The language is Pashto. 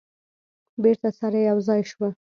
بیرته سره یو ځای شوه.